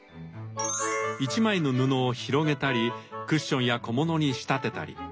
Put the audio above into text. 一枚の布を広げたりクッションや小物に仕立てたり。